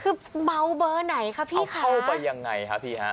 คือเมาเบอร์ไหนคะพี่ค่ะเอาไปยังไงคะพี่ฮะ